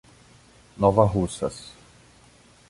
Nova Russas